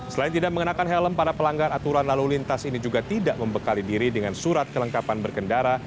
selain tidak mengenakan helm para pelanggar aturan lalu lintas ini juga tidak membekali diri dengan surat kelengkapan berkendara